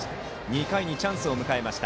２回にチャンスを迎えました。